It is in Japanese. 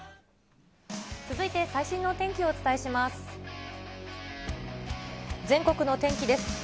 続いて最新のお天気をお伝えします。